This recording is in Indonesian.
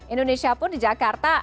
indonesia pun di jakarta